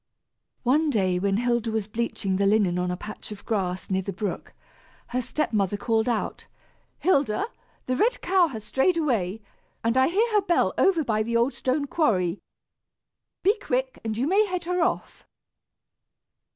One day, when Hilda was bleaching the linen on a patch of grass near the brook, her step mother called out, "Hilda, the red cow has strayed away, and I hear her bell over by the old stone quarry. Be quick, and you may head her off."